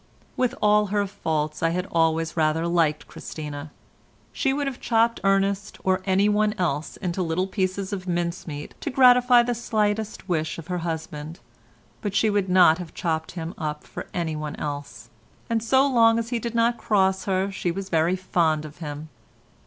With all her faults I had always rather liked Christina. She would have chopped Ernest or any one else into little pieces of mincemeat to gratify the slightest wish of her husband, but she would not have chopped him up for any one else, and so long as he did not cross her she was very fond of him.